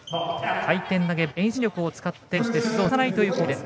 回転投げ、遠心力を使って鈴を鳴らさないという攻撃です。